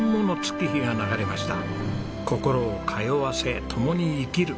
「心を通わせ共に生きる」